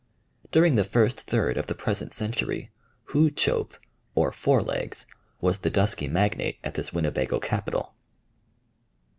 During the first third of the present century Hoo Tschope, or Four Legs, was the dusky magnate at this Winnebago capital.